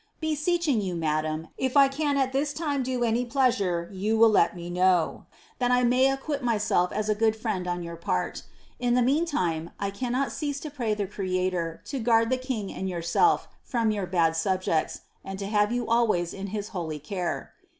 ■Beseeching you, madame, if T can at this time do yon any pleasure, you will let me know, that I may acquit myself as a good friend on your part In the Bsantime, I cannot cease to pray the Creator to guard the king and yourself iVou foor bad subjects, and to have you always in his holy care.